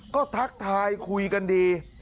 ก็ทักทายคุยกันดี